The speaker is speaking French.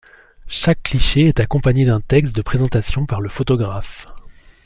Chaque cliché est accompagné d'un texte de présentation par le photographe.